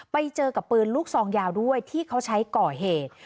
ไปเจอกับปืนลูกซองยาวด้วยที่เขาใช้ก่อเหตุ